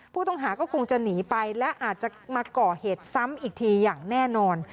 ผู้ต้องหาก็คงจะหนีไปและอาจจะมาก่อเหตุซ้ำอีกทีอย่างแน่นอน